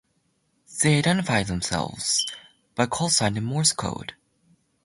They identify themselves by a callsign in Morse code.